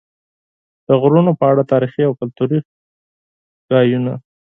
د غرونو په اړه تاریخي او کلتوري خبرې